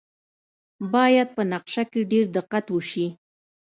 باید په نقشه کې ډیر دقت وشي